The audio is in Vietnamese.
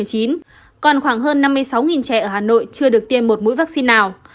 còn khoảng hơn năm mươi sáu trẻ ở hà nội chưa được tiêm một mũi vaccine nào